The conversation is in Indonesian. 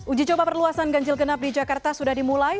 uji coba perluasan ganjil genap di jakarta sudah dimulai